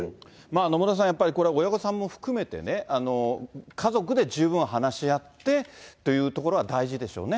野村さん、やっぱりこれは親御さんも含めて、家族で十分話し合ってというところは大事でしょうね。